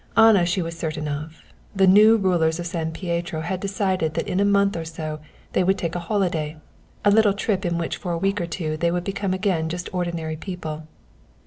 Anna she was certain of. The new rulers of San Pietro had decided that in a month or so they would take a holiday, a little trip in which for a week or two they would become again just ordinary people.